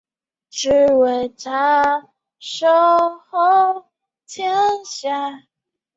他认为自己是一家之主